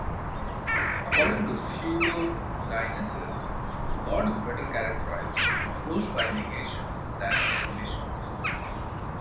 According to pseudo-Dionysius, God is better characterized and approached by negations than by affirmations.